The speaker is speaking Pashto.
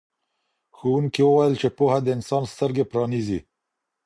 ښوونکي وویل چې پوهه د انسان سترګې پرانیزي.